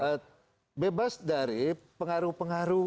pemerintah ini adalah bebas dari pengaruh pengaruh